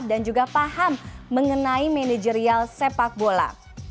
dan juga paham mengenai manajerial sepak bola